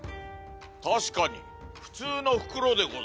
確かに普通の袋でござる。